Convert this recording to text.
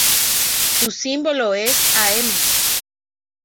Su símbolo es Am.